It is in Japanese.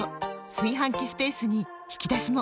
炊飯器スペースに引き出しも！